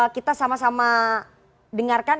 kita sama sama dengarkan